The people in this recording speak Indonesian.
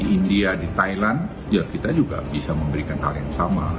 di india di thailand ya kita juga bisa memberikan hal yang sama